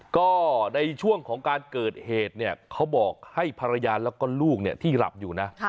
ก็ในช่วงของการเกิดเหตุเนี่ยเขาบอกให้ภรรยาแล้วก็ลูกที่หลับอยู่นะ